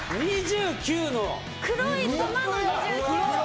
黒い球の２９！